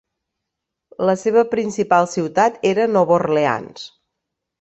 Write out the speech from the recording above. La seva principal ciutat era Nova Orleans.